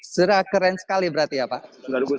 sudah keren sekali berarti ya pak